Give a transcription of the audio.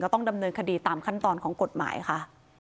ต้องดำเนินคดีตามขั้นตอนของกฎหมายค่ะ